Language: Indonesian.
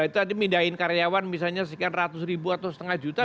itu nanti pindahin karyawan misalnya sekitar ratus ribu atau setengah juta